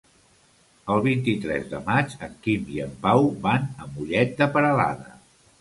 El vint-i-tres de maig en Quim i en Pau van a Mollet de Peralada.